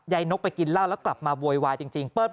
นกไปกินเหล้าแล้วกลับมาโวยวายจริง